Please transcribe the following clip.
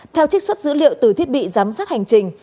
theo trích xuất dữ liệu từ thiết bị giám sát hành trình